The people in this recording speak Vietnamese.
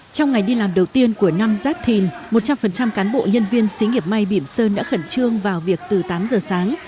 trong ngày đi làm đầu tiên của năm giáp thìn một trăm linh cán bộ nhân viên xí nghiệp may bỉm sơn đã khẩn trương vào việc từ tám giờ sáng